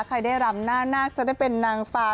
ใครได้รำหน้านาคจะได้เป็นนางฟ้า